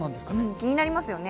気になりますよね。